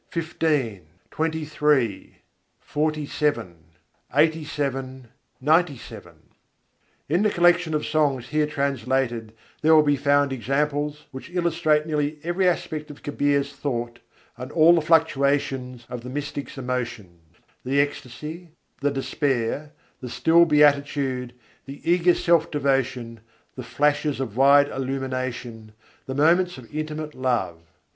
XV, XXIII, LXVII, LXXXVII, XCVII.] In the collection of songs here translated there will be found examples which illustrate nearly every aspect of Kabîr's thought, and all the fluctuations of the mystic's emotion: the ecstasy, the despair, the still beatitude, the eager self devotion, the flashes of wide illumination, the moments of intimate love.